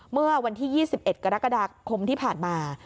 เมื่อวันที่๒๑กรกฎาคมที่ผ่านมา